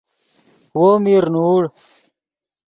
وو میر نیغوڑ